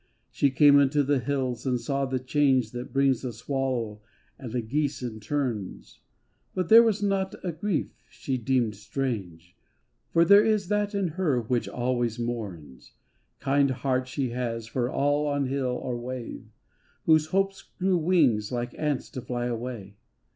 She came unto the hills and saw the change That brings the swallow and the geese in turns. But there was not a grief she deemed strange, For there is that in her which always mourns. 195 196 MY MOTHER Kind heart she has for all on hill or wave Whose hopes grew wings like ants to fly away.